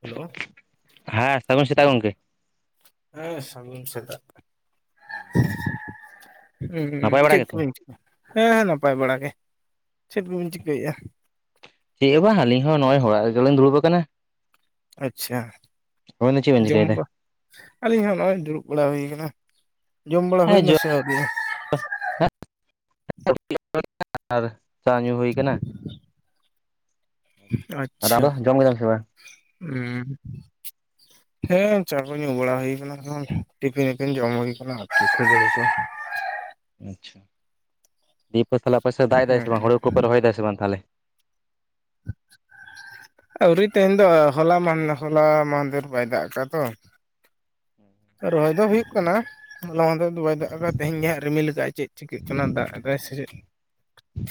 Hello ᱦᱮᱸ ᱥᱟᱹᱜᱩᱱ ᱥᱮᱛᱟᱜ ᱜᱚᱝᱠᱮ ᱦᱮᱸ ᱥᱟᱹᱜᱩᱱ ᱥᱮᱛᱟᱜ ᱦᱸ ᱦᱸ ᱪᱮᱫ ᱠᱚᱵᱮᱱ ᱪᱤᱠᱟᱹᱭᱟ ᱦᱮᱸ ᱦᱮᱸ ᱱᱟᱯᱟᱭ ᱵᱟᱲᱟ ᱜᱮ ᱪᱮᱫ ᱠᱚᱵᱤᱱ ᱪᱤᱠᱟᱹᱭᱮᱫᱼᱟ ᱪᱮᱫ ᱮ ᱵᱟᱝ ᱟ ᱟᱹᱞᱤᱧ ᱦᱚᱸ ᱱᱚᱜᱼᱚᱭ ᱦᱚᱲᱟᱜ ᱨᱮᱞᱤᱧ ᱫᱩᱲᱩᱵ ᱟᱠᱟᱱᱟ ᱟᱪᱪᱷᱟ ᱟᱵᱮᱱ ᱫᱚ ᱪᱮᱫ ᱵᱮᱱ ᱡᱚᱢ ᱪᱤᱠᱟᱹᱭᱮᱫᱟ? ᱟᱹᱞᱤᱧ ᱦᱚᱸ ᱱᱚᱜᱼᱚᱭ ᱫᱩᱲᱩᱵ ᱵᱟᱲᱟ ᱦᱩᱭ ᱠᱟᱱᱟ ᱡᱚᱢ ᱵᱟᱲᱟ ᱦᱮᱸ ᱦᱩᱭ ᱡᱚ ᱱᱟᱥᱮ ᱟᱣᱨᱤ ᱟᱨ [unintelligible] ᱪᱟ ᱧᱩ ᱦᱩᱭ ᱠᱟᱱᱟ ᱟᱪᱪᱷᱟ ᱟᱫᱚ ᱡᱚᱢ ᱠᱮᱫᱟᱢ ᱥᱮ ᱵᱟᱝ ᱦᱮᱸ ᱦᱮᱸ ᱪᱟ ᱠᱚ ᱧᱩ ᱵᱟᱲᱟ ᱦᱩᱭ ᱟᱠᱟᱱᱟ ᱴᱤᱯᱷᱤᱱᱤᱯᱤᱱ ᱡᱚᱢ ᱦᱩᱭ ᱟᱠᱟᱱᱟ ᱟᱨ ᱟᱪᱪᱷᱟ ᱫᱤᱭ ᱯᱮ ᱛᱟᱦᱚᱞᱮ ᱟᱯᱮ ᱥᱮᱜ ᱫᱟᱜ ᱮᱫᱟᱭ ᱥᱮ ᱵᱟᱝ ᱦᱮᱸ ᱦᱩᱲᱩ ᱠᱚᱯᱮ ᱨᱚᱦᱚᱭ ᱫᱟ ᱥᱮ ᱵᱟᱝ ᱛᱟᱦᱚᱞᱮ? ᱟᱹᱣᱨᱤ ᱛᱮᱦᱮᱧ ᱫᱚ ᱦᱚᱞᱟ ᱢᱟᱸᱦ ᱦᱚᱞᱟ ᱢᱟᱸᱦᱫᱮᱨ ᱵᱟᱭ ᱫᱟᱜ ᱠᱟᱜ-ᱟ ᱛᱚ᱾ ᱨᱚᱦᱚᱭ ᱫᱚ ᱦᱩᱭᱩᱜ ᱠᱟᱱᱟ᱾ ᱦᱚᱞᱟ ᱢᱟᱸᱦᱫᱮᱨ ᱫᱚ ᱵᱟᱭ ᱫᱟᱜ ᱟᱠᱟᱜ-ᱟ ᱛᱮᱦᱮᱧ ᱜᱮ ᱦᱟᱸᱜ ᱨᱤᱢᱤᱞ ᱠᱟᱜ-ᱟᱭ ᱪᱮᱫ ᱪᱤᱠᱟᱹᱜ ᱠᱟᱱᱟ ᱫᱟᱜ ᱮᱫᱟᱭ ᱥᱮ ᱪᱮᱫ᱾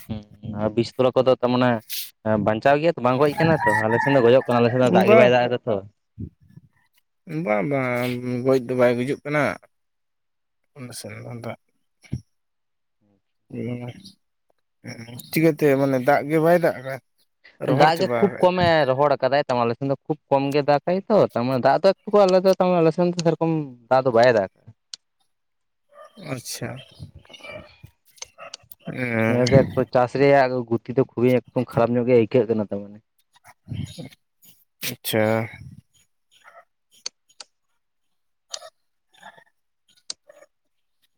ᱦᱩᱸ ᱦᱮᱸ ᱟᱨ ᱵᱤᱥ ᱛᱚᱞᱟ ᱠᱚᱫᱚ ᱛᱟᱨᱢᱟᱱᱮ ᱮ ᱵᱟᱧᱪᱟᱣ ᱜᱮᱭᱟᱛᱼᱼ ᱵᱟᱝ ᱜᱚᱡ ᱠᱟᱱᱟ ᱛᱚ ᱟᱞᱮ ᱥᱮᱱ ᱫᱚ ᱜᱚᱡᱚᱜ ᱠᱟᱱᱟ ᱟᱞᱮ ᱥᱮᱜ ᱫᱚ ᱫᱟᱜ ᱜᱮ ᱵᱟᱝ ᱵᱟᱭ ᱫᱟᱜ ᱮᱫᱟ ᱛᱚ᱾ ᱵᱟᱝ ᱵᱟᱝ ᱜᱚᱡ ᱫᱚ ᱵᱟᱭ ᱜᱩᱡᱩᱜ ᱠᱟᱱᱟ᱾ ᱚᱱᱟ ᱥᱮᱱ ᱫᱚ ᱟᱫᱚᱼᱼ ᱚᱸᱻ ᱪᱤᱠᱟᱹ ᱛᱮ ᱢᱟᱱᱮ ᱫᱟᱜ ᱜᱮ ᱵᱟᱭ ᱫᱟᱜ ᱠᱟᱜ-ᱟᱭ᱾ ᱫᱟᱜ ᱜᱮ ᱠᱷᱩᱵ ᱠᱚᱢᱮ ᱨᱚᱦᱚᱲ ᱟᱠᱟᱫᱟᱭ ᱛᱟᱨ ᱢᱟᱱᱮ ᱟᱞᱮ ᱥᱮᱱ ᱫᱚ ᱠᱷᱩᱵ ᱠᱚᱢ ᱜᱮ ᱫᱟᱠᱟᱭ ᱛᱚ ᱛᱟᱨ ᱢᱟᱱᱮ ᱫᱟᱜ ᱫᱚᱭᱼᱼ ᱠᱩ ᱟᱞᱟᱫᱟ ᱛᱟᱨᱢᱟᱱᱮ ᱟᱞᱮ ᱥᱮᱱ ᱫᱚ ᱥᱮᱭ ᱨᱚᱠᱚᱢ ᱫᱟᱜ ᱫᱚ ᱵᱟᱭ ᱫᱟᱠᱟ᱾ ᱟᱪᱪᱷᱟ᱾ ᱱᱮᱥ ᱫᱚ ᱟᱪᱪᱷᱟ ᱮᱠᱴᱩ ᱪᱟᱥ ᱨᱮᱭᱟᱜ ᱜᱩᱛᱤ ᱫᱚ ᱠᱷᱩᱵᱤ ᱮᱠ ᱨᱚᱠᱚᱢ ᱠᱷᱟᱨᱟᱯ ᱧᱚᱜ ᱜᱮ ᱟᱹᱭᱠᱟᱹᱜ ᱠᱟᱱᱟ ᱛᱟ ᱢᱟᱱᱮᱼᱼ ᱟᱪᱪᱷᱟ᱾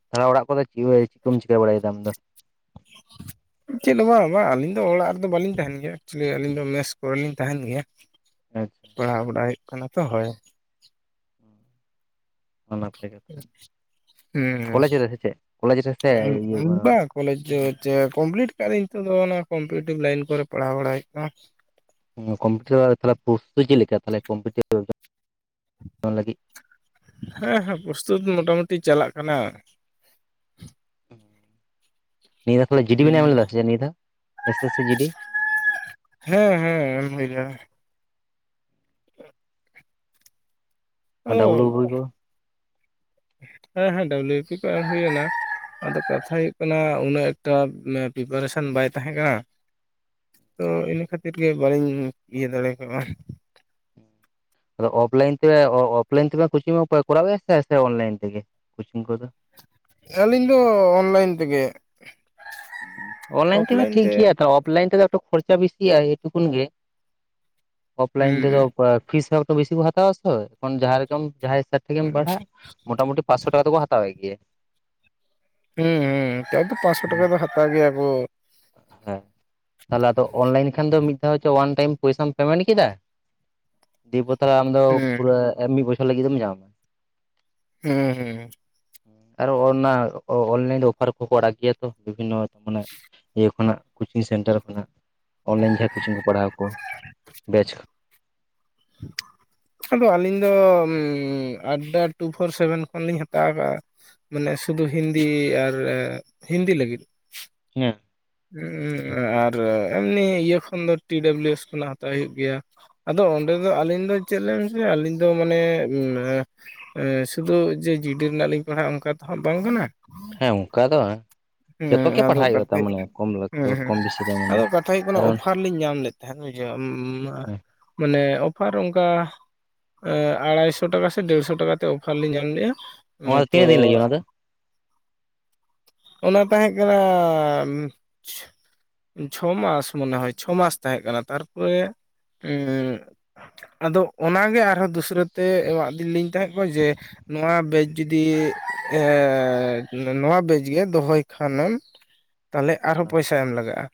ᱛᱟᱦᱚᱞᱮ ᱚᱲᱟᱜ ᱠᱚᱫᱚ ᱪᱤᱣᱟᱹᱜ ᱪᱤᱜ ᱠᱚᱢ ᱪᱤᱠᱟ ᱵᱟᱲᱟᱭ ᱫᱟ ᱟᱢ ᱫᱚ? ᱪᱮᱫ ᱦᱚᱸ ᱵᱟᱝ ᱵᱟᱝ ᱟᱞᱤᱧ ᱫᱚ ᱚᱲᱟᱜ ᱨᱮᱫᱚ ᱵᱟᱞᱤᱧ ᱛᱟᱦᱮᱱ ᱜᱮᱭᱟ ᱮᱠᱪᱩᱞᱤ ᱟᱹᱞᱤᱧ ᱫᱚ ᱢᱮᱥ ᱠᱚᱨᱮ ᱞᱤᱧ ᱛᱟᱦᱮᱱ ᱜᱮᱭᱟ᱾ ᱟᱪᱪᱷᱟ ᱯᱟᱲᱦᱟᱣ ᱵᱟᱲᱟᱭ ᱦᱩᱭᱩᱜ ᱠᱟᱱᱟ ᱛᱚ ᱦᱚᱭ᱾ ᱚᱱᱟᱛᱼᱼ ᱦᱮᱸ᱾ ᱨᱮ ᱥᱮ ᱪᱮᱫ ᱠᱚᱞᱮᱡᱽ ᱨᱮ ᱥᱮ ᱩᱸ ᱦᱩᱸ ᱤᱭᱟᱹ ᱩᱸᱻᱩᱸ ᱵᱟ ᱠᱚᱞᱮᱪ ᱪᱚ ᱪᱮ ᱠᱚᱢᱯᱤᱞᱤᱴᱼᱼ ᱠᱟᱜ ᱟᱹᱧ ᱱᱤᱛᱚᱜ ᱫᱚ ᱚᱱᱟ ᱠᱚᱢᱯᱤᱴᱤᱵᱷ ᱞᱟᱭᱤᱱ ᱠᱚᱨᱮ ᱯᱟᱲᱦᱟᱣ ᱵᱟᱲᱟᱭ ᱦᱩᱭᱩᱜ ᱠᱟᱱᱟ᱾ ᱩᱸᱻ ᱠᱚᱢᱯᱤᱭᱩᱴᱟᱨ ᱟᱨ ᱛᱟᱞᱦᱮ ᱠᱳᱨᱥ‌ ᱫᱚ ᱪᱮᱜ ᱞᱮᱠᱟ ‌ᱛᱟᱞᱦᱮ ᱠᱚᱢᱯᱤᱭᱩᱴᱟᱨ ᱮᱠᱡᱟᱢ ᱟᱢ ᱞᱟᱹᱜᱤᱫᱼᱼ ᱦᱮᱸ ᱦᱮᱸ ᱯᱨᱚᱥᱛᱩᱛ ᱢᱚᱴᱟᱼᱢᱩᱴᱤ ᱪᱟᱞᱟᱜ ᱠᱟᱱᱟ᱾ ᱱᱤᱭᱟᱹ ᱫᱷᱟᱣ ᱛᱟᱞᱦᱮ ᱡᱤᱰᱤ ᱵᱮᱱ ᱮᱢ ᱞᱮᱫᱟ ᱥᱮ ᱪᱮᱜ ᱱᱤᱭᱟᱹ ᱫᱷᱟᱣ ᱮᱥᱮᱥ ᱥᱤ ᱡᱤᱰᱤ? ᱦᱮᱸ ᱦᱮᱸ ᱮᱢ ᱦᱩᱭ ᱞᱮᱱᱟ᱾ ᱟᱸᱜᱼᱼ ᱰᱟᱵᱞᱩ ᱚᱣᱚᱵᱼᱼ ᱵᱤ ᱠᱚ? ᱦᱮᱸ ᱦᱮᱸ ᱰᱟᱹᱵᱽᱞᱭᱩ ᱯᱤ ᱠᱩ ᱮᱢ ᱦᱩᱭ ᱱᱟ ᱟᱫᱚ ᱠᱟᱛᱷᱟ ᱦᱩᱭᱩᱜ ᱠᱟᱱᱟ ᱩᱱᱟᱹᱜ ᱮᱠᱴᱟ‌ ᱢᱮ‌ ᱯᱤᱯᱟᱨᱮᱥᱚᱱ ᱵᱟᱭ ᱛᱟᱦᱮᱸ ᱠᱟᱱᱟ᱾ ᱛᱚ ᱤᱱᱟᱹ ᱠᱷᱟᱹᱛᱤᱨ ᱜᱮ ᱵᱟᱞᱤᱧ ᱤᱭᱟᱹ ᱫᱟᱲᱮ ᱠᱟᱜ-ᱟ ᱾ ᱟᱫᱚ ᱚᱯᱞᱟᱭᱤᱱ ᱛᱮ ᱚᱻ ᱚᱯ ᱞᱟᱭᱤᱱ ᱛᱮᱯᱮ ᱠᱩᱪᱤᱝᱚᱜ ᱯᱮ ᱠᱚᱨᱟᱣ ᱜᱮᱭᱟ ᱥᱮ ᱥᱮ ᱚᱱᱞᱟᱭᱤᱱ ᱛᱮᱜᱮ ᱠᱚᱪᱤᱝ ᱠᱚᱫᱚ? ᱟᱹᱞᱤᱧ ᱫᱚ ᱚᱱᱞᱟᱭᱤᱱ ᱛᱮᱜᱮ᱾ ᱚᱱᱞᱟᱭᱤᱱ ᱛᱮᱦᱚᱸ ᱚᱯᱷᱞᱟᱭᱤᱱ ᱛᱮ ᱴᱷᱤᱠ ᱜᱮᱭᱟ ᱛᱚ ᱚᱯᱷᱞᱟᱭᱤᱱ ᱛᱮᱫᱚ ᱮᱠᱴᱩ ᱠᱷᱚᱨᱪᱟ ᱵᱤᱥᱤᱜ-ᱟ ᱮᱭ ᱴᱩᱠᱩᱱ ᱜᱮ᱾ ᱚᱯᱷᱞᱟᱭᱤᱱ ᱛᱮᱫᱚ ᱦᱩᱸ ᱯᱚ ᱚ ᱯᱷᱤᱥ ᱦᱚᱸ ᱮᱠᱴᱩ ᱵᱤᱥᱤ ᱠᱚ ᱦᱟᱛᱟᱣᱟ ᱥᱮ ᱛᱚᱠᱷᱚᱱ ᱡᱟᱦᱟᱸ ᱞᱮᱠᱟᱢ ‌‌ᱡᱟᱦᱟᱸᱭ ᱥᱮᱫᱼᱼ ᱛᱮᱜᱮᱢ ᱦᱩᱸ ᱯᱟᱲᱦᱟᱜ ᱢᱳᱴᱟᱼᱢᱩᱴᱤ ᱯᱟᱸᱥᱥᱚ ᱴᱟᱠᱟ ᱫᱚᱠᱚ ᱦᱟᱛᱟᱣᱮᱜ ᱜᱮᱭᱟ᱾ ᱦᱩᱸ ᱦᱩᱸ ᱱᱮᱛᱟᱨ ᱫᱚ ᱯᱟᱸᱥᱥᱚ ᱴᱟᱠᱟ ᱫᱚ ᱦᱟᱛᱟᱣ ᱜᱮᱭᱟ ᱠᱚ᱾ ᱦᱮᱸ᱾ ᱛᱟᱦᱚᱞᱮ ᱟᱫᱚ ᱚᱱᱞᱟᱭᱤᱱ ᱠᱷᱟᱱ ᱫᱚ ᱢᱤᱫ ᱫᱷᱟᱣ ᱪᱚ ᱣᱟᱱ ᱴᱟᱭᱤᱢ ᱯᱚᱭᱥᱟᱢ ᱯᱮᱢᱮᱱᱴ ᱠᱮᱫᱟᱼᱼ ᱫᱤᱯᱚ ᱛᱟᱞᱦᱮ ᱟᱢ ᱫᱚ ᱦᱩᱸ ᱯᱩᱨᱟᱹ ᱮ ᱢᱤᱫ ᱵᱚᱪᱷᱚᱨ ᱞᱟᱹᱜᱤᱫ ᱫᱚᱢ ᱧᱟᱢᱟ᱾ ᱦᱩᱸ ᱦᱩᱸ᱾ ᱟᱨ ᱚ ᱚᱱᱟ ᱚᱱᱞᱟᱭᱤᱱ ᱨᱮ ᱚᱯᱷᱟᱨ ᱠᱚᱠᱚ ᱟᱲᱟᱜ ᱜᱮᱭᱟ ᱛᱚ? ᱵᱤᱵᱷᱤᱱᱱᱚ ᱢᱟᱱᱮ ᱤᱭᱟᱹ ᱠᱷᱚᱱᱟᱜ ᱠᱩᱪᱤᱝ ᱥᱮᱱᱴᱟᱨ ᱠᱷᱚᱱᱟᱜ᱾ ᱚᱱᱞᱟᱭᱤᱱ ᱡᱟᱦᱟᱸ ᱠᱩᱪᱤᱝ ᱠᱚ ᱯᱟᱲᱦᱟᱣ ᱠᱚ ᱵᱮᱪᱼᱼ ᱟᱫᱚ ᱟᱞᱤᱧ ᱫᱚ ᱚᱢᱻ ᱟᱰᱰᱟ ᱴᱩ ᱯᱷᱳᱨ ᱥᱮᱵᱮᱱ ᱠᱷᱚᱱ ᱞᱤᱧ ᱦᱟᱛᱟᱣ ᱠᱟᱜ-ᱟ᱾ ᱢᱟᱱᱮ ᱥᱩᱫᱩ ᱦᱤᱱᱫᱤ ᱟᱨ ᱦᱤᱱᱫᱤ ᱞᱟᱹᱜᱤᱫ᱾ [inaudible] ᱦᱩᱸ ᱦᱩᱸ ᱟᱨ ᱮᱢᱱᱤ ᱤᱭᱟᱹ ᱠᱷᱚᱱ ᱫᱚ ᱴᱤ ᱰᱟᱵᱞᱤᱭᱩ ᱮᱥ ᱠᱷᱚᱱᱟᱜ ᱦᱟᱛᱟᱣ ᱦᱩᱭᱩᱜ ᱜᱮᱭᱟ᱾ ᱟᱫᱚ ᱚᱸᱰᱮ ᱫᱚ ᱟᱹᱞᱤᱧ ᱫᱚ ᱪᱮᱫ ᱞᱮᱱ ᱠᱟᱹᱧ ᱪᱮ ᱟᱹᱞᱤᱧ ᱫᱚ ᱢᱟᱱᱮ᱾ ᱥᱩᱫᱷᱩ ᱡᱮ ᱡᱤᱰᱤ ᱨᱮᱱᱟᱜ ᱞᱤᱧ ᱯᱟᱲᱦᱟᱜᱼᱟ ᱚᱱᱠᱟ ᱛᱚ ᱦᱟᱸᱜ ᱵᱟᱝ ᱠᱟᱱᱟ᱾ ᱦᱮᱸ, ᱚᱱᱠᱟ ᱫᱚ᱾ ᱡᱚᱛᱚ ᱦᱮᱸ ᱜᱮ ᱟᱫᱚ ᱯᱟᱲᱦᱟᱜ ᱦᱩᱭᱩᱜᱼᱟ ᱠᱟᱛᱷᱟ ᱛᱟᱨ ᱢᱟᱱᱮ ᱦᱩᱭᱩᱜ ᱠᱚᱢ ᱦᱩᱸ ᱦᱩᱸ ᱠᱚᱢ ᱵᱮᱥᱤ ᱫᱚ ᱢᱟᱱᱮ ᱟᱫᱚ ᱠᱟᱛᱷᱟ ᱦᱩᱭᱩᱜ ᱠᱟᱱᱟ ᱠᱟᱨᱚᱱ ᱚᱯᱷᱟᱼᱼ ᱞᱤᱧ ᱧᱟᱢ ᱞᱮᱫ ᱛᱟᱦᱮᱸᱫ ᱵᱩᱡᱷᱟᱹᱣ, ᱢᱟᱱᱮ ᱚᱯᱷᱟᱨ ᱚᱱᱠᱟ ᱮ ᱟᱲᱟᱭᱥᱚ ᱴᱟᱠᱟ ᱥᱮ ᱰᱮᱹᱲᱥᱚ ᱴᱟᱠᱟᱛᱮ ᱚᱯᱷᱟᱨ ᱞᱮᱤᱧ ᱧᱟᱢ ᱞᱮᱜᱼᱟ, ᱮ ᱚᱱᱟ ᱫᱚ ᱛᱚ ᱛᱤᱱᱟᱹᱜ ᱫᱤᱱ ᱞᱟᱹᱜᱤᱫ ᱚᱱᱟ ᱫᱚ ᱚᱱᱟ ᱛᱟᱦᱮᱸ ᱠᱟᱱᱟ ᱪᱷᱚ ᱢᱟᱥ ᱢᱚᱱᱮ ᱦᱚᱭ ᱪᱷᱚ ᱢᱟᱥ ᱛᱟᱦᱮᱸ ᱠᱟᱱᱟ, ᱛᱟᱨᱯᱚᱨᱮ ᱟᱫᱚ ᱚᱱᱟ ᱜᱮ ᱟᱨᱦᱚᱸ ᱫᱩᱥᱨᱟᱹ ᱛᱮ ᱮᱢᱟᱜ ᱫᱤᱞᱤᱧ ᱛᱟᱦᱮᱸᱜ ᱠᱚ ᱡᱮᱼᱼ ᱱᱚᱣᱟ ᱵᱮᱪ ᱡᱩᱫᱤ ᱮᱻ ᱱᱚᱣᱟ ᱵᱮᱡᱽ ᱜᱮ᱾ ᱫᱚᱦᱚᱭ ᱠᱷᱟᱱᱮᱢ ᱛᱟᱦᱚᱞᱮ ᱟᱨᱦᱚᱸ ᱯᱚᱭᱥᱟ ᱮᱢ ᱞᱟᱜᱟᱜ-ᱟ᱾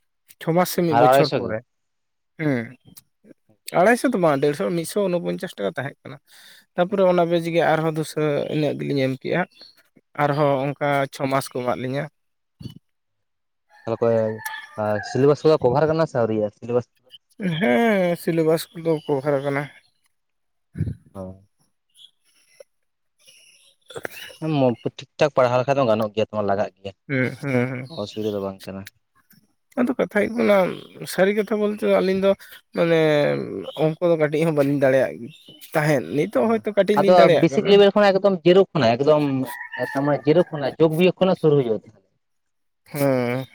ᱪᱷᱚ ᱢᱟᱥ ᱥᱮ ᱢᱤᱫ ᱟᱨ ᱵᱚᱪᱷᱚᱨ ᱟᱲᱟᱭᱥᱚ ᱜᱮ ᱯᱚᱨᱮ, ᱦᱮᱸ᱾ ᱟᱲᱟᱭᱥᱚ ᱫᱚ ᱵᱟᱝ ᱰᱮᱲᱥᱚ ᱢᱤᱜᱥᱚ ᱩᱱᱚᱯᱚᱧᱪᱟᱥ ᱴᱟᱠᱟ ᱛᱟᱦᱮᱸ ᱠᱟᱱᱟ᱾ ᱛᱟᱨᱯᱚᱨᱮ ᱚᱱᱟ ᱵᱮᱡᱽ ᱜᱮ ᱟᱨᱦᱚᱸ ᱫᱩᱥᱟᱹ ᱤᱱᱟᱹᱜ ᱜᱮᱞᱤᱧ ᱮᱢ ᱠᱮᱜᱼᱟ᱾ ᱟᱨᱦᱚᱸ ᱚᱱᱠᱟ ᱪᱷᱚ ᱢᱟᱥ ᱠᱚ ᱮᱢᱟᱫ ᱞᱤᱧᱟ᱾ [inaudible] ᱟ ᱥᱤᱞᱮᱵᱟᱥ ᱠᱚᱫᱚ ᱠᱚᱵᱷᱟᱨ ᱠᱟᱱᱟ ᱥᱮ ᱟᱹᱣᱨᱤᱭᱟᱜ-ᱟ? ᱥᱤᱞᱮᱵᱟᱥ ᱦᱮᱸ ᱥᱤᱞᱮᱵᱟᱥ ᱠᱚᱫᱚ ᱵᱮᱚᱠᱟᱨ ᱟᱠᱟᱱᱟ᱾ [inaudible] ᱢᱳᱠ ᱠᱚ ᱴᱷᱤᱠ ᱴᱷᱟᱠ ᱯᱟᱲᱦᱟᱣ ᱞᱮᱠᱷᱟ ᱫᱚ ᱜᱟᱱᱚᱜ ᱜᱮᱭᱟ ᱛᱚᱢᱟ ᱞᱟᱜᱟᱜ ᱜᱮᱭᱟ᱾ ᱦᱩᱸᱜ ᱦᱩᱸ ᱦᱩᱸ᱾ ᱚᱥᱩᱵᱤᱫᱟ ᱫᱚ ᱵᱟᱝ ᱠᱟᱱᱟ ᱟᱫᱚ ᱠᱟᱛᱷᱟ ᱦᱩᱭᱩᱜ ᱠᱟᱱᱟ ᱥᱟᱹᱨᱤ ᱠᱟᱛᱷᱟ ᱵᱚᱞᱛᱮ ᱫᱚ ᱟᱹᱞᱤᱧ ᱫᱚ, ᱢᱟᱱᱮ ᱚᱝᱠᱚ ᱫᱚ ᱠᱟᱹᱴᱤᱡ ᱦᱚᱸ ᱵᱟᱹᱞᱤᱧ ᱫᱟᱲᱮᱭᱟᱜ ᱛᱟᱦᱮᱸᱱ᱾ ᱚ ᱟᱫᱚ ᱵᱮᱥᱤᱠ ᱞᱮᱵᱮᱞ ᱦᱮᱸ ᱮᱠᱫᱚᱢ ᱡᱮᱨᱳ ᱠᱷᱚᱱᱟᱜ ᱮᱠᱫᱚᱢ ᱮᱛᱚᱢᱮ ᱡᱮᱨᱳ ᱠᱷᱚᱱᱟᱜ ᱡᱳᱜᱽ ᱵᱤᱭᱳᱜ ᱠᱷᱚᱱᱟᱜ ᱥᱩᱨᱩ ᱦᱩᱭᱩᱜᱼᱟ᱾ ᱦᱮᱸ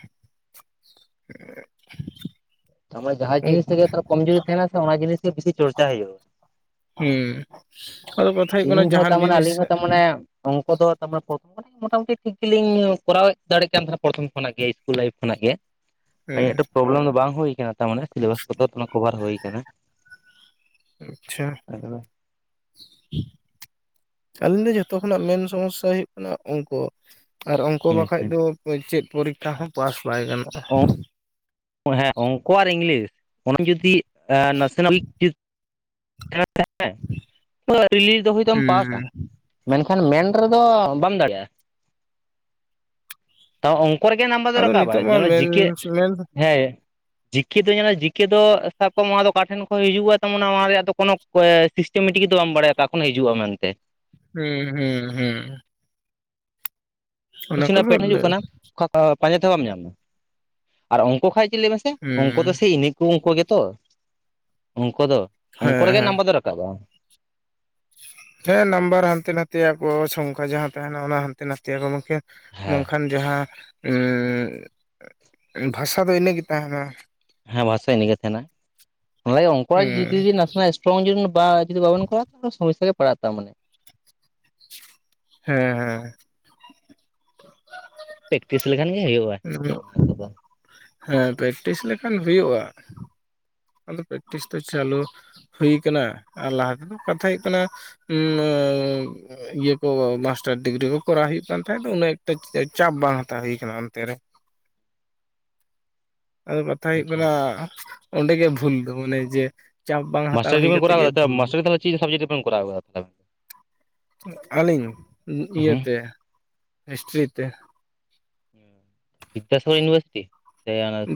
ᱛᱟᱢᱟ ᱡᱟᱦᱟᱸ ᱡᱤᱱᱤᱥ ᱛᱤᱜᱤ ᱛᱟ ᱠᱚᱢ ᱡᱩᱨᱤ ᱛᱟᱦᱮᱱᱟ ᱥᱮ ᱚᱱᱟ ᱡᱤᱱᱤᱥ ᱜᱮ ᱵᱤᱥᱤ ᱪᱚᱨᱪᱟ ᱦᱩᱭᱩᱜ᱾ ᱦᱩᱸ ᱟᱫᱚ ᱠᱟᱛᱷᱟ ᱦᱩᱭᱩᱜ ᱠᱟᱱᱟ ᱡᱟᱦᱟᱱ ᱡᱤᱱᱤᱥ ᱢᱟᱱᱮ ᱚᱝᱠᱚ ᱫᱚ ᱛᱟᱢᱟ ᱯᱚ ᱢᱚᱴᱟᱢᱩᱴᱤ ᱴᱷᱤᱠ ᱜᱮᱞᱤᱧ ᱠᱚᱨᱟᱣᱮᱫ ᱫᱟᱲᱮᱜ ᱠᱟᱱ ᱛᱟᱦᱮᱱᱟ ᱯᱚᱨᱛᱷᱚᱢ ᱠᱷᱚᱱᱟᱜ ᱜᱮ ᱤᱥᱠᱩᱞ ᱞᱟᱭᱤᱯᱷ ᱠᱷᱚᱱᱟᱜ ᱜᱮ᱾ ᱟ ᱦᱮᱸ ᱤᱧᱟᱹᱜ ᱛᱚ ᱯᱨᱚᱵᱞᱮᱢ ᱫᱚ ᱵᱟᱝ ᱦᱩᱭ ᱠᱟᱱᱟ᱾ ᱛᱟᱢᱟᱱᱮ ᱥᱤᱞᱮᱵᱟᱥ ᱠᱚᱫᱚ ᱠᱚᱵᱷᱟᱨ ᱦᱩᱭ ᱠᱟᱱᱟ ᱟᱪᱪᱷᱟ ᱮᱠᱫᱚᱢ᱾ [inaudible] ᱟᱹᱞᱤᱧ ᱫᱚ ᱡᱷᱚᱛᱚ ᱠᱷᱚᱱᱟᱜ ᱢᱮᱱ ᱥᱚᱢᱚᱥᱥᱟ ᱦᱩᱭᱩᱜ ᱠᱟᱱᱟ ᱚᱝᱠᱚ ᱟᱨ ᱚᱝᱠᱚ ᱟᱪᱪᱷᱟ ᱵᱟᱠᱷᱟᱡ ᱦᱮᱸ ᱫᱚ ᱪᱮᱫ ᱯᱚᱨᱤᱠ ᱠᱷᱟ ᱦᱚᱸ ᱯᱟᱥ ᱵᱟᱭ ᱜᱟᱱᱚᱜᱼᱟ᱾ ᱚ ᱦᱮᱸ ᱚᱝᱠᱚ ᱟᱨ ᱤᱝᱞᱤᱥ ᱚᱱᱟ ᱡᱩᱫᱤ ᱱᱟᱥᱮᱱᱟᱢ ᱪᱤᱫ [unintelligible] ᱫᱚ ᱦᱚᱭᱛᱚᱢ ᱯᱟᱥᱟ᱾ ᱦᱩᱸ ᱢᱮᱱᱠᱷᱟᱱ ᱢᱮᱱ ᱨᱮᱫᱚ ᱵᱟᱢ ᱫᱟᱲᱮᱜᱼᱟ᱾ ᱛᱟᱣ ᱚᱝᱠᱚ ᱨᱮᱜᱮ ᱱᱟᱢᱵᱟᱨ ᱫᱚ ᱟᱫᱚ ᱨᱟᱠᱟᱵᱟᱭ ᱱᱤᱛᱚᱜ ᱢᱟ ᱡᱮᱢᱚᱱ ᱢᱮᱱ ᱡᱤᱠᱮ ᱢᱮᱱ ᱦᱮᱸ ᱡᱤᱠᱮ ᱫᱚ ᱧᱮᱞ ᱮᱸ ᱡᱤᱠᱮ ᱫᱚ ᱥᱟᱵ ᱠᱟᱢ ᱱᱚᱣᱟ ᱫᱚ ᱚᱠᱟ ᱴᱷᱮᱱ ᱠᱷᱚᱱ ᱦᱤᱡᱩᱜᱼᱟ ᱛᱟᱢᱟᱱᱮ ᱚᱱᱟ ᱨᱮᱭᱟᱜ ᱫᱚ ᱠᱚᱱᱚ ᱚᱠᱚᱭ ᱥᱤᱥᱴᱮᱢᱮᱴᱤᱠ ᱫᱚ ᱵᱟᱢ ᱵᱟᱲᱟᱭᱟ ᱚᱠᱟ ᱠᱷᱚᱱ ᱦᱤᱡᱩᱜᱼᱟ ᱢᱮᱱᱛᱮ᱾ ᱦᱩᱸ ᱦᱩᱸ ᱦᱩᱸ ᱚᱱᱟ ᱠᱚᱥᱪᱮᱱ ᱱᱟᱜ ᱠᱚᱫᱚ ᱯᱮᱴ ᱦᱤᱡᱩᱜ ᱠᱟᱱᱟ ᱠᱷᱚᱠ ᱯᱟᱸᱡᱟ ᱛᱮᱦᱚᱸ ᱵᱟᱢ ᱧᱟᱢᱟ ᱟᱨ ᱚᱝᱠᱚ ᱠᱷᱚᱡ ᱪᱮᱜ ᱞᱟᱹᱭ ᱢᱮᱥᱮ ᱦᱩᱸ ᱚᱝᱠᱚ ᱫᱚ ᱥᱮ ᱤᱱᱟᱹ ᱠᱩ ᱚᱝᱠᱩ ᱜᱮᱛᱚ ᱚᱝᱠᱚ ᱫᱚ ᱦᱮᱸ ᱚᱝᱠᱚ ᱨᱮᱜᱮ ᱦᱮᱸ ᱱᱟᱢᱵᱟᱨ ᱫᱚ ᱨᱟᱠᱟᱵᱼᱟ᱾ ᱦᱮᱸ ᱱᱟᱢᱵᱟᱨ ᱦᱟᱱᱛᱮ ᱱᱟᱛᱮᱭᱟ ᱠᱚ ᱥᱚᱝᱠᱷᱟ ᱡᱟᱦᱟᱸ ᱛᱟᱦᱮᱱᱟ ᱚᱱᱟ ᱦᱟᱱᱛᱮ ᱱᱟᱛᱮᱭᱟ ᱠᱚ ᱢᱮᱱᱠᱷᱟᱡ ᱦᱮᱸ ᱵᱟᱝᱠᱷᱟᱱ ᱡᱟᱦᱟᱸ ᱩᱸᱜ ᱵᱷᱟᱥᱟ ᱫᱚ ᱤᱱᱟᱹᱜᱮ ᱛᱟᱦᱮᱱᱟ᱾ ᱦᱮᱸ ᱵᱷᱟᱥᱟ ᱤᱱᱟᱹᱜᱮ ᱛᱟᱦᱮᱱᱟ, ᱦᱮᱸ [unintelligible] ᱱᱟᱥᱮᱱᱟᱜᱼᱼ [inaudible] ᱵᱟ ᱡᱩᱫᱤ ᱵᱟᱵᱮᱱ ᱠᱚᱨᱟ ᱛᱟᱞᱦᱮ ᱥᱚᱢᱚᱥᱟ ᱜᱮ ᱯᱟᱲᱟ ᱛᱟ ᱢᱟᱱᱮ᱾ ᱦᱮᱸ ᱦᱮᱸ ᱯᱮᱠᱴᱤᱥ ᱞᱮᱠᱷᱟᱱ ᱜᱮ ᱦᱩᱭᱩᱜᱼᱟ ᱦᱮᱸ ᱚᱱᱟ ᱠᱚᱫᱚ ᱦᱮᱸ ᱯᱮᱠᱴᱤᱥ ᱞᱮᱠᱷᱟᱱ ᱦᱩᱭᱩᱜᱼᱟ᱾ ᱟᱫᱚ ᱯᱮᱠᱴᱤᱥ ᱫᱚ ᱪᱟᱞᱩ ᱦᱩᱭ ᱠᱟᱱᱟ ᱟᱨ ᱞᱟᱦᱟ ᱠᱟᱛᱷᱟ ᱦᱩᱭᱩᱜ ᱠᱟᱱᱟ ᱩᱸ ᱤᱭᱟᱹ ᱠᱚ ᱢᱟᱥᱴᱟᱨ ᱰᱤᱜᱽᱨᱤ ᱠᱚ ᱠᱚᱨᱟᱣ ᱦᱩᱭᱩᱜ ᱠᱟᱱ ᱛᱟᱦᱮᱸᱫ ᱩᱱᱟᱹᱜ ᱮᱠᱴᱟ ᱪᱟᱯ ᱵᱟᱝ ᱦᱟᱛᱟᱣ ᱦᱩᱭᱩᱠᱟᱱᱟ ᱚᱱᱛᱮ ᱨᱮ᱾ ᱟᱫᱚ ᱠᱟᱛᱷᱟ ᱦᱩᱭᱩᱜ ᱟᱪᱪᱷᱟ ᱠᱟᱱᱟ ᱚᱸᱰᱮ ᱜᱮ ᱵᱷᱩᱞ ᱫᱚ ᱢᱟᱱᱮ ᱡᱮ ᱪᱟᱯ ᱵᱟᱝ ᱦᱟᱛᱟᱣ ᱦᱩᱭ ᱢᱟᱥᱴᱟᱨᱵᱤᱜᱨᱤᱵᱮᱱ ᱠᱟᱛᱮ ᱜᱮ ᱠᱚᱨᱟᱣᱠᱟᱫᱟ ᱵᱷᱩᱞ ᱢᱟᱥᱴᱟᱨᱫᱚ ᱛᱟᱞᱦᱮ ᱪᱮᱫ ᱥᱟᱵᱡᱮᱠ ᱨᱮᱵᱮᱱ ᱠᱚᱨᱟᱣ ᱠᱟᱫᱟ? ᱟᱹᱞᱤᱧ ᱦᱮᱸ ᱤᱭᱟᱹᱛᱮ ᱦᱤᱥᱴᱨᱤ ᱛᱮ᱾ [inaudible] ᱵᱤᱫᱫᱟᱥᱟᱜᱚᱨ ᱭᱩᱱᱤᱷᱟᱨᱥᱤᱴᱤ?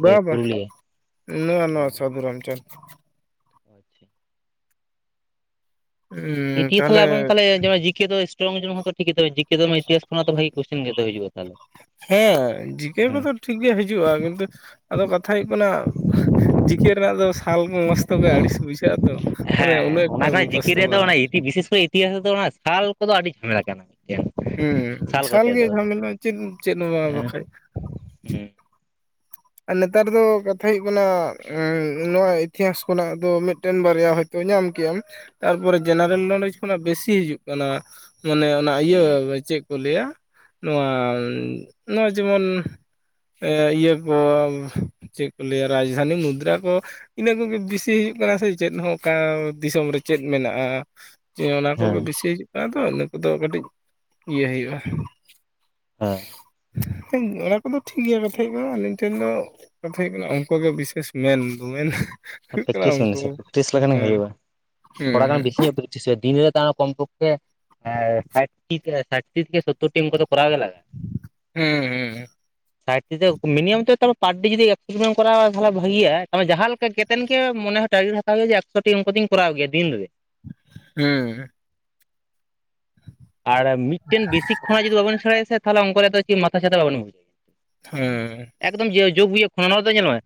ᱵᱟ ᱵᱟ ᱱᱚᱣᱟ ᱱᱚᱣᱟ ᱥᱟᱫᱷᱩ ᱨᱟᱢᱪᱟᱸᱫᱽ᱾ ᱚ ᱟᱪᱪᱷᱟ [unintelligible] [unintelligible] [unintelligible] ᱛᱟᱦᱚᱞᱮ ᱡᱤᱠᱮ ᱫᱚ ᱥᱴᱨᱚᱝ ᱴᱷᱤᱠ ᱜᱮ [unintelligible] ᱤᱛᱦᱟᱥ ᱠᱷᱚᱱᱟᱜ ᱵᱷᱟᱜᱮ ᱠᱚᱥᱪᱮᱱ ᱜᱮ ᱦᱤᱡᱩᱜᱼᱟ ᱛᱟᱦᱚᱞᱮ ᱦᱮᱸ ᱡᱤᱠᱮ ᱦᱮᱸ ᱠᱚᱫᱚ ᱴᱷᱤᱠ ᱜᱮ ᱦᱤᱡᱩᱜᱼᱟ ᱠᱤᱱᱛᱩ ᱟᱫᱚ ᱠᱟᱛᱷᱟ ᱦᱩᱭᱩᱜ ᱠᱟᱱᱟ ᱡᱤᱠᱮ ᱨᱮᱱᱟᱜ ᱫᱚ ᱥᱟᱞ ᱢᱟᱥ ᱠᱚ ᱜᱮ ᱟᱹᱲᱤᱥ ᱵᱩᱡᱷᱟᱹᱜᱼᱟ᱾ ᱛᱚ ᱢᱟᱱᱮ ᱦᱮᱸ ᱩᱱᱟᱹᱜ ᱮᱠᱴᱟ ᱚᱱᱟ ᱡᱤᱠᱮ ᱢᱩᱠᱷᱚᱥᱛᱚ ᱨᱮᱭᱟᱜ ᱫᱚ ᱚᱱᱟ ᱵᱟᱝ ᱤᱛᱤ ᱵᱤᱥᱮᱥ ᱠᱚᱨᱮ ᱤᱛᱤ ᱤᱛᱤᱦᱟᱥ ᱨᱮ ᱫᱚ ᱚᱱᱟ ᱥᱟᱞ ᱠᱚᱫᱚ ᱟᱹᱰᱤ ᱡᱷᱟᱢᱮᱞᱟ ᱠᱟᱱᱟ ᱢᱤᱫᱴᱮᱱ᱾ ᱦᱩᱸ ᱥᱟᱞ ᱵᱤᱥᱟᱞ ᱠᱚᱛᱮ ᱫᱚ ᱜᱮᱭᱟ ᱡᱷᱟᱢᱮᱞ ᱢᱟ ᱪᱮᱫ ᱪᱮᱫ ᱮᱢᱟ ᱦᱮᱸ ᱵᱟᱠᱷᱟᱡ᱾ ᱦᱮᱸ ᱟᱨ ᱱᱮᱛᱟᱨ ᱫᱚ ᱠᱟᱛᱷᱟ ᱦᱩᱭᱩᱜ ᱠᱟᱱᱟ ᱱᱚᱣᱟ ᱤᱛᱤᱦᱟᱥ ᱠᱷᱚᱱᱟᱜ ᱫᱚ ᱢᱤᱫᱴᱮᱱ ᱵᱟᱨᱭᱟ ᱦᱚᱭ ᱛᱚ ᱧᱟᱢ ᱠᱮᱫᱮᱭᱟᱢ ᱛᱟᱨᱯᱚᱨᱮ ᱡᱮᱱᱟᱨᱮᱞ ᱱᱚᱞᱮᱡᱽ ᱠᱷᱚᱱᱟᱜ ᱵᱤᱥᱤ ᱦᱤᱡᱩᱜ ᱠᱟᱱᱟ ᱢᱟᱱᱮ ᱚᱱᱟ ᱤᱭᱟᱹ ᱦᱮᱸ ᱪᱮᱜ ᱠᱚ ᱞᱟᱹᱭᱟ ᱱᱚᱣᱟ ᱱᱚᱜᱼᱚᱭ ᱡᱮᱢᱚᱱ ᱮᱸ ᱤᱭᱟᱹ ᱟ ᱪᱮᱫ ᱠᱚ ᱞᱟᱹᱭᱟ ᱨᱟᱡᱽᱫᱷᱟᱱᱤ ᱢᱩᱫᱽᱨᱟ ᱠᱚ ᱤᱱᱟᱹ ᱠᱚᱜᱮ ᱵᱤᱥᱤ ᱦᱩᱭᱩᱜ ᱠᱟᱱᱟ ᱥᱮ ᱪᱮᱫ ᱦᱚᱸ ᱚᱠᱟ ᱫᱤᱥᱚᱢ ᱨᱮ ᱪᱮᱫ ᱢᱮᱱᱟᱜᱼᱟ᱾ ᱚᱱᱟ ᱠᱚᱜᱮ ᱵᱤᱥᱤ ᱦᱤᱡᱩᱜ ᱠᱟᱱᱟ ᱛᱚ ᱤᱱᱟᱹ ᱠᱚᱫᱚ ᱠᱟᱹᱴᱤᱡ ᱤᱭᱟᱹ ᱦᱩᱭᱩᱜᱼᱟ᱾ ᱦᱮᱸ ᱚᱱᱟ ᱠᱚᱫᱚ ᱴᱷᱤᱠ ᱜᱮᱭᱟ ᱠᱟᱛᱷᱟ ᱦᱩᱭᱩᱜ ᱠᱟᱱᱟ ᱟᱹᱞᱤᱧ, ᱴᱷᱮᱱ ᱫᱚ ᱠᱟᱛᱷᱟ ᱦᱩᱭᱩᱜ ᱠᱟᱱᱟ ᱚᱱᱠᱟᱜᱮ ᱵᱤᱥᱮᱥ ᱢᱮᱱᱫᱚ ᱢᱮᱱ᱾ ᱦᱩᱭᱩᱜ ᱠᱟᱱᱟ ᱯᱮᱠᱴᱤᱥ ᱵᱮᱱ ᱩᱱᱠᱩ ᱥᱮ ᱯᱮᱠᱴᱤᱥ ᱞᱮᱠᱷᱟᱱ ᱜᱮ ᱦᱮᱸ ᱦᱩᱭᱩᱜᱼᱟ ᱛᱷᱚᱲᱟ ᱜᱟᱱ ᱦᱮᱸ ᱵᱮᱥᱤ ᱧᱚᱜ ᱫᱤᱱ ᱨᱮ ᱛᱟᱣ ᱠᱚᱢ ᱯᱚᱠᱠᱷᱮ ᱥᱟᱴᱴᱤ ᱥᱮ ᱥᱳᱛᱛᱚᱨ ᱴᱤ ᱚᱝᱠᱚ ᱫᱚ ᱠᱚᱨᱟᱣ ᱜᱮ ᱞᱟᱜᱟᱜᱼᱟ᱾ ᱦᱮᱸ ᱦᱩᱸ ᱦᱩᱸ ᱥᱟᱴᱴᱤᱫᱚ ᱢᱤᱱᱤᱢᱳᱢ ᱛᱟᱣ ᱯᱟᱨ ᱰᱮ ᱡᱩᱫᱤ ᱮᱠᱴᱩᱠᱩᱱᱮᱢ ᱠᱚᱨᱟᱣ-ᱟ ᱛᱟᱦᱚᱞᱮ ᱵᱷᱟᱜᱮ-ᱟ ᱢᱟᱱᱮ ᱡᱟᱦᱟᱸ ᱞᱮᱠᱟ ᱞᱮᱠᱟᱱ ᱜᱮ ᱢᱚᱱᱮ ᱦᱚ ᱢᱟᱨᱠᱮᱴ ᱦᱟᱛᱟᱣ ᱦᱩᱭᱩ-ᱟ ᱡᱮ ᱮᱠᱥᱚᱴᱤ ᱚᱝᱠᱚ ᱫᱚ ᱠᱚᱨᱟᱣ ᱜᱮᱭᱟ ᱫᱤᱱ ᱨᱮ᱾ ᱦᱮᱸ ᱟᱨ ᱢᱤᱫᱴᱮᱱ ᱵᱮᱥᱤᱠ ᱠᱷᱚᱱᱟᱜ ᱡᱩᱫᱤ ᱵᱟᱵᱮᱱ ᱥᱮᱬᱟᱭᱟ ᱛᱟᱞᱦᱮ ᱚᱝᱠᱚᱨᱮᱱᱟᱜ ᱫᱚ ᱪᱮᱫ ᱢᱟᱛᱷᱟᱪᱷᱟᱛᱟ ᱵᱟᱵᱮᱱ ᱵᱩᱡᱷ-ᱟ᱾ ᱦᱮᱸ ᱮᱠᱫᱚᱢ ᱡᱳᱜ ᱱᱤᱛᱳᱜ ᱠᱷᱚᱱ ᱱᱚᱣᱟᱫᱚ ᱫᱚ ᱧᱮᱞ ᱢᱮ,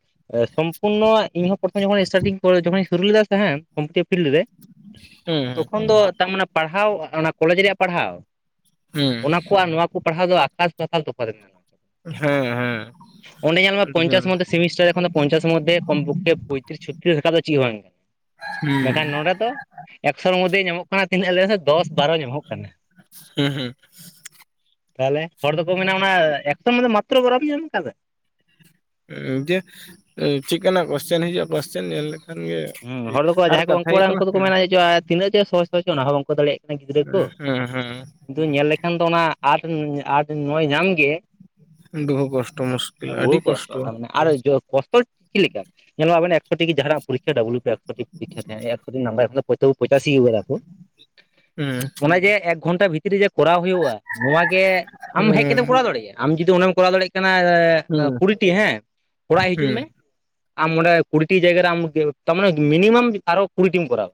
ᱥᱚᱢᱯᱩᱨᱱᱚ ᱤᱧᱦᱚᱸ ᱯᱨᱚᱛᱷᱚᱢ ᱡᱚᱠᱷᱚᱱ ᱥᱴᱟᱨᱴᱤᱝ ᱡᱚᱠᱷᱚᱱᱤᱧ ᱥᱩᱨᱩ ᱞᱮᱫᱟ ᱥᱮ ᱦᱮᱸ, ᱠᱚᱢᱯᱤᱴᱤᱵᱽ ᱯᱷᱤᱞᱰ ᱨᱮ ᱦᱮᱸ ᱛᱚᱠᱷᱚᱱ ᱫᱚ ᱛᱟᱨᱢᱟᱱᱮ ᱯᱟᱲᱦᱟᱣ ᱚᱱᱟ ᱠᱚᱞᱮᱡᱽ ᱨᱮᱭᱟᱜ ᱯᱟᱲᱦᱟᱣ, ᱦᱮᱸ ᱚᱱᱟ ᱠᱚ ᱟᱨ ᱱᱚᱣᱟ ᱠᱚ ᱯᱟᱲᱦᱟᱣ ᱫᱚ ᱟᱠᱟᱥ ᱯᱟᱛᱟᱞ ᱛᱚᱯᱷᱟᱛ ᱢᱮᱱᱟᱜᱼᱟ᱾ ᱦᱮᱸ ᱦᱮᱸ ᱚᱱᱰᱮ ᱧᱮᱞ ᱢᱮ ᱟᱹᱰᱤ ᱜᱟᱱ ᱯᱚᱪᱟᱥ ᱢᱚᱫᱽᱷᱮ ᱥᱮᱢᱤᱥᱴᱟᱨ ᱡᱚᱠᱷᱚᱱᱫᱚ ᱯᱚᱪᱟᱥ ᱢᱚᱫᱽᱫᱷᱮ ᱠᱚᱢ ᱯᱚᱠᱷᱮ ᱯᱚᱭᱛᱨᱤᱥ ᱪᱚᱛᱛᱨᱤᱥ ᱨᱟᱠᱟᱵ ᱫᱚ ᱪᱮᱫ ᱦᱚᱸ ᱵᱟᱝ ᱠᱟᱱᱟ᱾ ᱢᱮᱱᱠᱷᱟᱱ ᱦᱮᱸ ᱱᱚᱰᱮ ᱫᱚ ᱮᱠᱥᱚᱨ ᱢᱚᱫᱽᱫᱷᱮ ᱧᱟᱢᱚᱜ ᱠᱟᱱᱟ ᱛᱤᱱᱟᱹᱜ ᱞᱮᱟᱹᱭ ᱢᱮᱥᱮ ᱫᱚᱥ ᱵᱟᱨᱚ ᱧᱟᱢᱚᱜ ᱠᱟᱱᱟ᱾ ᱦᱮᱸ ᱦᱮᱸ ᱛᱟᱦᱚᱞᱮ ᱦᱚᱲ ᱫᱚᱠᱚ ᱢᱮᱱᱟ ᱚᱱᱟ ᱮᱠᱥᱚ ᱢᱚᱫᱫᱷᱮ ᱢᱟᱛᱨᱚ ᱚᱱᱟᱢ ᱧᱟᱢ ᱟᱠᱟᱫᱟ? ᱫᱤᱭᱮ ᱪᱮᱫ ᱠᱟᱱᱟ ᱠᱚᱥᱪᱮᱱ ᱦᱤᱡᱩᱜᱼᱟ ᱠᱚᱥᱪᱟᱱ ᱧᱮᱞ ᱞᱮ ᱦᱮᱸ ᱦᱚᱲ ᱫᱚᱠᱚ ᱡᱟᱦᱟᱸᱭ ᱠᱚ ᱵᱟᱝᱠᱚ ᱵᱟᱲᱟᱭᱟ ᱩᱱᱠᱩ ᱫᱚᱠᱚ ᱦᱮᱸ ᱢᱮᱱᱟ ᱪᱮᱫ ᱪᱚ ᱛᱤᱱᱟᱹᱜ ᱪᱚ ᱥᱚᱦᱚᱡ ᱥᱚ ᱚᱱᱟ ᱦᱚᱸ ᱵᱟᱝᱠᱚ ᱫᱟᱲᱮᱭᱟᱜ ᱠᱟᱱᱟ ᱜᱤᱫᱽᱨᱟᱹ ᱠᱚ ᱦᱮᱸ ᱾ ᱫᱩᱧ ᱧᱮᱞ ᱞᱮᱠᱷᱟᱱ ᱫᱚ ᱚᱱᱟ ᱟᱴ ᱟᱴ ᱱᱚᱭ ᱧᱟᱢ ᱜᱮ ᱾ ᱦᱮᱸ ᱵᱚᱦᱩ ᱠᱚᱥᱴᱚ ᱢᱩᱥᱠᱤᱞ ᱟᱹᱰᱤ ᱵᱚᱦᱩ ᱠᱚᱥᱴ ᱠᱚᱥᱴᱚ ᱛᱮ ᱟᱨ ᱡᱚ ᱠᱚᱥᱴᱚ ᱪᱮᱫ ᱞᱮᱠᱟ ᱧᱮᱞᱚᱜᱼᱟ ᱧᱮᱞᱟᱵᱮᱱ ᱮᱠᱥᱚ ᱴᱤ ᱡᱟᱦᱟᱸᱱᱟᱜ ᱯᱚᱨᱤᱠᱠᱷᱟ ᱰᱟᱵᱞᱩ ᱮᱠᱥᱚᱴᱤ ᱱᱟᱢᱵᱟᱨ ᱦᱚᱭᱛᱚ ᱯᱚᱸᱪᱟᱥᱥᱤ ᱠᱟᱫᱟ ᱠᱚ ᱦᱮᱸ ᱚᱱᱟ ᱡᱮ ᱮᱠ ᱮᱠ ᱜᱷᱚᱱᱴᱟ ᱵᱷᱤᱛᱨᱤ ᱨᱮ ᱡᱮ ᱠᱚᱨᱟᱣ ᱦᱩᱭᱩᱜᱼᱟ, ᱱᱚᱣᱟ ᱜᱮ ᱦᱮᱸ ᱟᱢ ᱦᱮᱡ ᱠᱟᱛᱮᱢ ᱠᱚᱨᱟᱣ ᱫᱟᱲᱮᱭᱟᱜᱼᱟ ᱾ ᱟᱢ ᱡᱩᱫᱤ ᱚᱱᱟᱢ ᱠᱚᱨᱟᱣ ᱫᱟᱲᱮᱭᱟᱜ ᱠᱟᱱᱟ ᱦᱮᱸ ᱠᱩᱲᱤᱴᱤ ᱦᱮᱸ ᱚᱲᱟᱜ ᱦᱤᱡᱩᱜ ᱦᱮᱸ ᱢᱮ, ᱟᱢ ᱚᱸᱰᱮ ᱠᱩᱲᱤᱴᱤ ᱡᱟᱭᱜᱟ ᱨᱮᱢ ᱛᱟᱨ ᱢᱟᱱ ᱢᱤᱱᱤᱢᱟᱢ ᱟᱨᱚ ᱠᱩᱲᱤᱴᱤ ᱮᱢ ᱠᱚᱨᱟᱣ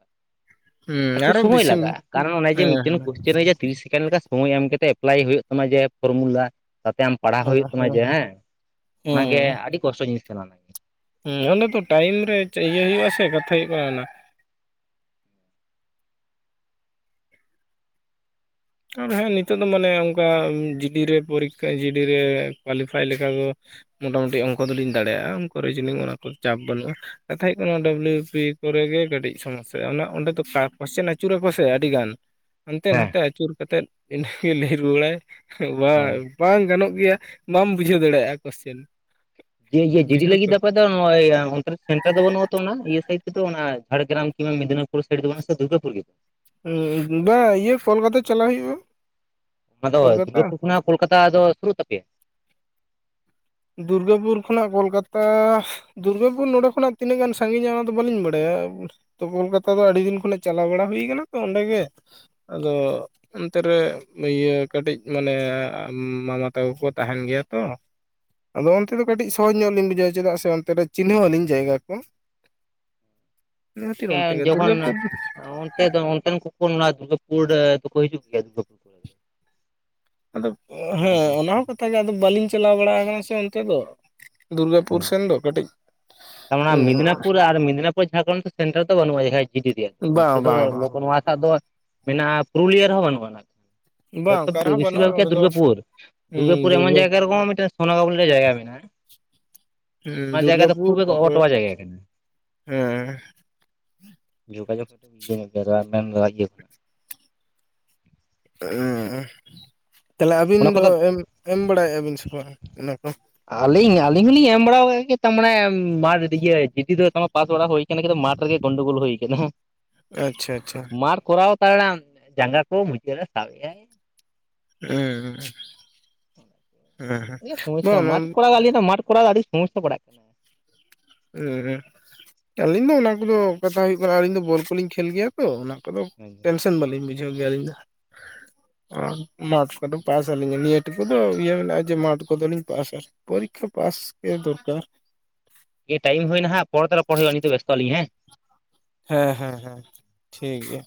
᱾ ᱦᱮᱸ ᱮᱠᱴᱩ ᱟᱨᱚ ᱥᱚᱢᱚᱭ ᱵᱮᱥᱤ ᱞᱟᱜᱟᱜᱼᱟ ᱠᱟᱨᱚᱱ ᱚᱱᱮ ᱡᱮ ᱦᱮᱸ ᱢᱤᱫᱴᱮᱱ ᱦᱮᱸ ᱠᱚᱥᱪᱮᱱ ᱨᱮᱪᱮ ᱛᱤᱨᱤᱥ ᱥᱮᱠᱮᱱᱰ ᱞᱮᱠᱟ ᱥᱚᱢᱚᱭ ᱮᱢ ᱠᱟᱛᱮ ᱮᱯᱞᱟᱭ ᱦᱩᱭᱩᱜ ᱛᱟᱢᱟ ᱡᱮ ᱯᱷᱚᱨᱢᱩᱞᱟ ᱾ ᱛᱟᱛᱮ ᱟᱢ ᱯᱟᱲᱦᱟᱣ ᱦᱩᱭᱩᱜ ᱛᱟᱢᱟ ᱡᱮ ᱦᱮᱸ ᱚᱱᱟ ᱜᱮ ᱦᱮᱸ ᱟᱹᱰᱤ ᱠᱚᱥᱴᱚ ᱡᱤᱱᱤᱥ ᱠᱟᱱᱟ ᱚᱱᱟ ᱾ ᱦᱮᱸ ᱚᱸᱰᱮ ᱫᱚ ᱴᱟᱭᱤᱢ ᱨᱮ ᱤᱭᱟᱹ ᱦᱩᱭᱩᱜᱼᱟ ᱥᱮ ᱠᱟᱛᱷᱟ ᱦᱩᱭᱩᱜ ᱠᱟᱱᱟ ᱚᱱᱟ᱾ ᱟᱨᱦᱚᱸ ᱱᱤᱛᱚᱜ ᱫᱚ ᱢᱟᱱᱮ ᱚᱱᱠᱟ ᱡᱤᱰᱤ ᱨᱮ ᱯᱚᱨᱤᱠᱷᱟ ᱡᱤᱰᱤ ᱨᱮ ᱠᱳᱣᱟᱞᱤᱯᱷᱟᱭ ᱞᱮᱠᱟ ᱫᱚ ᱢᱳᱚᱴᱟᱢᱩᱴᱤ ᱚᱝᱠᱟ ᱫᱚᱞᱤᱧ ᱫᱟᱲᱮᱭᱟᱜᱼᱟ, ᱚᱝᱠᱩ ᱨᱤᱡᱤᱱᱤᱝ ᱚᱱᱟ ᱪᱟᱯ ᱵᱟᱹᱱᱩᱜᱼᱟ᱾ ᱠᱟᱛᱷᱟ ᱦᱩᱭᱩᱜ ᱠᱟᱱᱟ ᱰᱟᱵᱞᱤᱭᱩ ᱯᱤ ᱠᱚᱨᱮᱜ ᱜᱮ ᱠᱟᱹᱴᱤᱡ ᱥᱚᱢᱚᱥᱥᱟ ᱚᱱᱟ ᱚᱸᱰᱮ ᱫᱚ ᱠᱚᱥᱪᱮᱱ ᱟᱹᱪᱩᱨᱟᱠᱚ ᱥᱮ ᱟᱹᱰᱤ ᱜᱟᱱ ᱾ [inaudible] ᱦᱟᱱᱛᱮ ᱱᱟᱛᱮ ᱟᱹᱪᱩᱨ ᱠᱟᱛᱮ ᱤᱱᱟᱹᱜᱮ ᱞᱟᱹᱭ ᱨᱩᱣᱟᱹᱲᱟᱭ ᱵᱟ ᱦᱮᱸ ᱵᱟᱝ ᱜᱟᱱᱚᱜ ᱜᱮᱭᱟ ᱵᱟᱢ ᱵᱩᱡᱷᱟᱹᱣ ᱫᱟᱲᱮᱭᱟᱜᱼᱟ ᱠᱚᱥᱪᱮᱱ ᱾ ᱡᱮ ᱤᱭᱟᱹ ᱡᱮᱰᱤ ᱞᱟᱜᱤ ᱟᱯᱮ ᱚᱱᱛᱮ ᱥᱮᱱᱴᱟᱨ ᱫᱚ ᱵᱟᱹᱱᱩᱜᱼᱟ ᱛᱚ ᱚᱱᱟ ᱤᱭᱟᱹ ᱥᱟᱭᱤᱰ ᱛᱮᱫᱚ ᱚᱱᱟ ᱡᱷᱟᱲᱜᱨᱟᱢ ᱠᱤᱝᱵᱟ ᱢᱮᱫᱽᱱᱤᱯᱩᱨ ᱾ ᱯᱚᱨᱤᱠᱠᱷᱟ ᱥᱤᱴ ᱵᱟᱝ ᱥᱮ ᱫᱷᱩᱜᱨᱵᱯᱩᱨ ᱜᱮ ᱾ ᱵᱟ ᱤᱭᱟᱹ ᱠᱳᱞᱠᱟᱛᱟ ᱪᱟᱞᱟᱜ ᱦᱩᱭᱩᱜᱼᱟ ᱾ ᱚᱱᱟ ᱫᱚ ᱫᱩᱨᱜᱯᱩᱨ ᱠᱷᱚᱱ ᱠᱳᱞᱠᱟᱛᱟ ᱫᱚ ᱥᱩᱨᱩᱜ ᱛᱟᱯᱮᱭᱟ ᱾ ᱫᱩᱨᱜᱟᱹᱯᱩᱨ ᱠᱷᱚᱱᱟᱜ ᱠᱳᱞᱠᱟᱛᱟ ᱫᱩᱨᱜᱟᱹᱯᱩᱨ ᱱᱚᱰᱮ ᱠᱷᱚᱱᱟᱜ ᱛᱤᱱᱟᱹᱜ ᱜᱟᱱ ᱥᱟᱺᱜᱤᱧᱟ ᱚᱱᱟ ᱫᱚ ᱵᱟᱹᱞᱤᱧ ᱵᱟᱰᱟᱭᱟ᱾ ᱛᱚ ᱠᱳᱞᱠᱟᱛᱟ ᱫᱚ ᱟᱹᱰᱤ ᱫᱤᱱ ᱠᱷᱚᱱᱟᱜ ᱪᱟᱞᱟᱣ ᱵᱟᱲᱟ ᱦᱩᱭ ᱠᱟᱱᱟ ᱛᱚ ᱚᱸᱰᱮ ᱜᱮ, ᱟᱫᱚ ᱚᱱᱛᱮ ᱨᱮ ᱤᱭᱟᱹ ᱠᱟᱹᱴᱤᱡ ᱢᱟᱱᱮ ᱢᱟᱢᱟ ᱛᱟᱠᱚ ᱠᱚ ᱛᱟᱦᱮᱱ ᱜᱮᱭᱟ ᱛᱚ᱾ ᱟᱫᱚ ᱚᱱᱛᱮ ᱫᱚ ᱠᱟᱹᱴᱤᱡ ᱥᱚᱦᱚᱡ ᱧᱚᱜ ᱞᱤᱧ ᱵᱩᱡᱷᱟᱹᱣᱟ ᱪᱮᱫᱟᱜ ᱥᱮ ᱚᱱᱛᱮ ᱨᱮ ᱪᱤᱱᱦᱟᱹ ᱟᱹᱞᱤᱧ ᱡᱟᱭᱜᱟ ᱠᱚ᱾ ᱤᱱᱟᱹ ᱠᱷᱟᱹᱛᱤᱨ ᱚᱱᱛᱮ ᱦᱮᱸ, ᱜᱮ ᱡᱚᱠᱷᱚᱱ ᱫᱩᱨᱜᱟᱹᱯᱩᱨ ᱚᱱᱛᱮ ᱫᱚ ᱚᱱᱛᱮᱱ ᱠᱚᱠᱚ ᱱᱚᱣᱟ ᱫᱩᱨᱜᱟᱹᱯᱩᱨ ᱨᱮ ᱫᱚ ᱠᱚ ᱦᱤᱡᱩᱜ ᱜᱮᱭᱟ ᱫᱩᱨᱜᱯᱩᱨ᱾ ᱟᱫᱚ ᱦᱮᱸ ᱚᱱᱟ ᱦᱚᱸ ᱠᱟᱛᱷᱟ ᱜᱮ ᱟᱫᱚ ᱵᱟᱹᱞᱤᱧ ᱪᱟᱞᱟᱣ ᱵᱟᱲᱟ ᱟᱠᱟᱱᱟ ᱥᱮ ᱚᱱᱛᱮ ᱫᱚ᱾ ᱫᱩᱨᱜᱟᱯᱩᱨ ᱥᱮᱱ ᱫᱚ ᱠᱟᱹᱴᱤᱡ ᱟᱨ ᱚᱱᱟ ᱢᱮᱫᱽᱱᱱᱟᱯᱩᱨ ᱟᱨ ᱢᱮᱫᱽᱱᱟᱤᱯᱩᱨ ᱡᱷᱟᱲᱠᱷᱚᱸᱱ ᱛᱚ ᱥᱮᱱᱴᱟᱨ ᱫᱚ ᱵᱟᱹᱱᱩᱜᱼᱟ ᱡᱟᱦᱟᱸ ᱡᱤᱰᱤ ᱨᱮᱭᱟᱜ᱾ ᱱᱚᱛᱮ ᱵᱟᱝ ᱫᱚ ᱵᱟᱝ ᱵᱟᱝ ᱞᱚᱠᱚ ᱱᱚᱣᱟ ᱥᱟᱜ ᱫᱚ ᱢᱮᱱᱟᱜᱼᱟ ᱯᱩᱨᱩᱞᱤᱭᱟᱹ ᱨᱮᱦᱚᱸ ᱵᱟᱹᱱᱩᱜᱼᱟ᱾ ᱵᱟᱝ ᱡᱚᱛᱚ ᱚᱠᱟ ᱨᱮᱦᱚᱸ ᱵᱮ-ᱵᱮᱥᱤᱨ ᱵᱟᱹᱱᱩᱜᱼᱟ ᱵᱷᱟᱜᱽ ᱜᱮ ᱚᱸᱰᱮ ᱫᱚ ᱫᱩᱨᱜᱟᱯᱩᱨ, ᱫᱩᱨᱜᱟᱯᱩᱨ ᱮᱢᱚᱱ ᱫᱩᱨᱜᱟᱹ ᱡᱟᱭᱜᱟ ᱮᱢᱟᱢᱟ ᱢᱤᱫᱴᱮᱱ ᱥᱚᱱᱚᱠᱟ ᱵᱚᱞᱮ ᱢᱤᱫᱴᱮᱱ ᱡᱟᱭᱜᱟ ᱢᱮᱱᱟᱜᱼᱟ᱾ ᱚᱱᱟ ᱦᱩᱸ, ᱡᱟᱭᱜᱟ ᱫᱚ ᱠᱷᱩᱵ ᱫᱩᱨᱜᱟᱯᱩᱨ ᱮᱠ ᱛᱟᱯᱚᱨᱮ ᱚᱵᱚᱴᱚᱣᱟ ᱡᱟᱭᱜᱟ ᱠᱟᱱᱟ ᱦᱮᱸ᱾ ᱡᱳᱜᱟᱡᱳᱜ [unintelligible] ᱮᱸ ᱛᱟᱦᱚᱞᱮ ᱟᱹᱵᱤᱱ ᱚᱱᱟ ᱫᱚ ᱠᱚᱫᱚ ᱮᱢ ᱮᱢ ᱵᱟᱲᱟᱭᱮᱜᱼᱟ ᱵᱤᱱ ᱥᱮ ᱵᱟᱝ ᱚᱱᱟ ᱠᱚ? ᱟᱹᱞᱤᱧ ᱟᱹᱞᱤᱧ ᱦᱚᱞᱤᱧ ᱮᱢ ᱵᱟᱲᱟ ᱠᱟᱜ ᱜᱮᱭᱟ ᱛᱟᱢᱟᱱᱮ ᱢᱟᱴ ᱤᱫᱤ ᱜᱮ ᱡᱤᱰᱤ ᱫᱚ ᱛᱟᱢᱟᱱᱮ ᱯᱟᱥ ᱵᱟᱲᱟ ᱦᱩᱭ [unintelligible] ᱢᱟᱴ ᱨᱮᱜᱮ ᱜᱚᱱᱰᱳᱜᱳᱞ ᱦᱳᱭ ᱟᱠᱟᱱᱟ ᱠᱟᱱᱟ ᱦᱟ᱾ ᱟᱪᱪᱷᱟ ᱟᱪᱪᱷᱟ᱾ ᱢᱟᱨ ᱠᱚᱨᱟᱣ ᱛᱟᱭᱲᱟᱢ ᱡᱟᱸᱜᱟ ᱠᱚ ᱢᱩᱪᱟᱹᱜ ᱨᱮ ᱥᱟᱵ ᱮᱜ ᱟᱭ᱾ ᱩᱜ ᱩᱸ, [unintelligible] ᱢᱟᱴ ᱠᱚᱲᱟᱣ ᱟᱞᱤᱧ ᱫᱚ ᱢᱟᱴ ᱠᱚᱨᱟᱣ ᱟᱹᱰᱤ ᱥᱚᱢᱚᱡᱥᱟ ᱯᱟᱲᱟᱜ ᱠᱟᱱᱟ ᱩᱸ ᱦᱩᱸ, ᱟᱹᱞᱤᱧ ᱫᱚ ᱚᱱᱟ ᱠᱩᱫᱚ ᱠᱟᱛᱷᱟ ᱦᱩᱭᱩᱜ ᱠᱟᱱᱟ ᱟᱹᱞᱤᱧ ᱫᱚ ᱵᱚᱞ ᱠᱩᱞᱤᱧ ᱠᱷᱮᱞ ᱜᱮᱭᱟ᱾ ᱛᱚ ᱚᱱᱟ ᱠᱚᱫᱚ ᱴᱮᱱᱥᱮᱱ ᱵᱟᱹᱞᱤᱧ ᱵᱩᱡᱷᱟᱹᱣ ᱜᱮᱭᱟ ᱟᱹᱞᱤᱧ ᱫᱚ᱾ ᱟ ᱢᱟᱴ ᱠᱚᱫᱚ ᱯᱟᱥ ᱟᱹᱞᱤᱧᱟ ᱱᱤᱭᱟᱹ ᱴᱩᱠᱩ ᱫᱚ ᱤᱭᱟᱹ ᱢᱮᱱᱟᱜᱼᱟ ᱡᱮ ᱢᱟᱴᱷ ᱠᱚᱫᱚᱞᱤᱧ ᱯᱟᱥᱟ᱾ ᱯᱚᱨᱤᱠᱠᱷᱟ ᱯᱟᱥ ᱜᱮ ᱫᱚᱨᱠᱟᱨ᱾ ᱤᱭᱟᱹ ᱴᱟᱭᱤᱢ ᱦᱩᱭᱱᱟ ᱦᱟᱸᱜ ᱯᱚᱨᱮ ᱛᱮ ᱨᱚᱯᱚᱲ ᱦᱩᱭᱩᱜᱼᱟ ᱱᱤᱛᱚᱜ ᱵᱮᱥᱛᱚ ᱟᱹᱞᱤᱧ ᱦᱮᱸ᱾ ᱦᱮᱸ, ᱦᱮᱸ, ᱦᱮᱸ, ᱴᱷᱤᱠ ᱜᱮᱭᱟ᱾